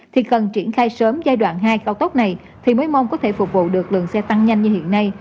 thì cần triển khai sớm giai đoạn hai cao tốc này thì mới mong có thể phục vụ được lượng xe tăng nhanh như hiện nay